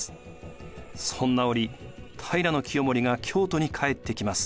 そんな折平清盛が京都に帰ってきます。